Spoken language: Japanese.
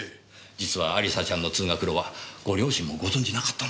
実は亜里沙ちゃんの通学路はご両親もご存じなかったんですよ。